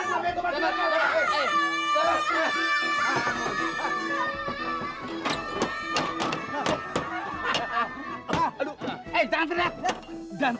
cepat cepat cepat